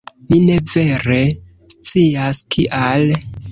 Ni ne vere scias, kial.